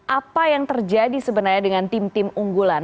apa yang terjadi sebenarnya dengan tim tim unggulan